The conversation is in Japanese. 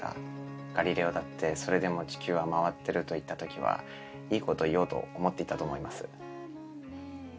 ガリレオだって「それでも地球は回っている」と言った時はいい事言おうと思っていたと思います。